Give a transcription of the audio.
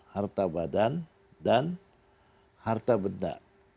harta badan dan harta benda